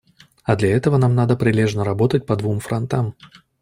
А для этого нам надо прилежно работать по двум фронтам.